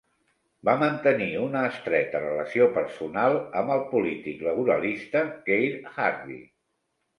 Va mantenir una estreta relació personal amb el polític laboralista Keir Hardie.